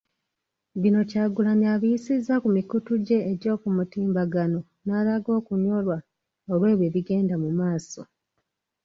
Bino Kyagulanyi abiyisizza ku mikutu gye egy'omutimbagano n'alaga okunyolwa olw'ebyo ebigenda mu maaso.